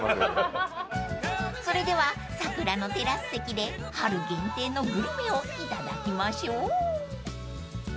［それでは桜のテラス席で春限定のグルメをいただきましょう］